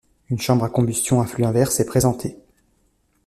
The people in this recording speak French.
Une chambre de combustion à flux inverse est présentée.